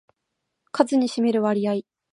数に占める割合